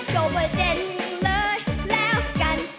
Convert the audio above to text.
ก็ประเด็นเลยแล้วกัน